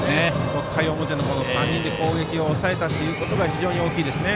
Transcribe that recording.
６回表を３人で攻撃を抑えたことが非常に大きいですね。